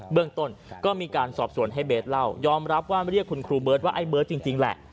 เรื่องต้นก็มีการสอบสวนให้เบสเล่ายอมรับว่าเรียกคุณครูเบิร์ตว่าไอ้เบิร์ตจริงแหละ